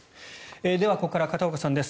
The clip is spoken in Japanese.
では、ここから片岡さんです。